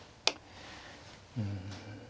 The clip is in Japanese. うん。